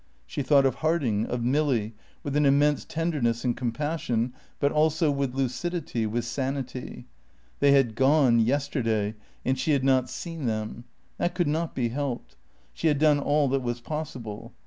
She thought of Harding, of Milly, with an immense tenderness and compassion, but also with lucidity, with sanity. They had gone yesterday and she had not seen them. That could not be helped. She had done all that was possible.